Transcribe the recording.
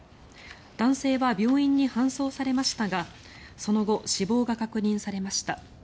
男性は病院に搬送されましたがその後、死亡が確認されました。